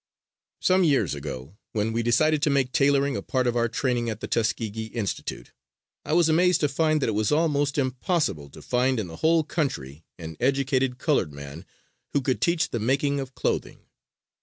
Some years ago, when we decided to make tailoring a part of our training at the Tuskegee Institute, I was amazed to find that it was almost impossible to find in the whole country an educated colored man who could teach the making of clothing.